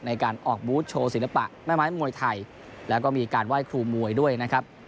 ในการออกบูธโชว์ศิลปะแม่ไม้มวยไทยแล้วก็มีการไหว้ครูมวยด้วยนะครับ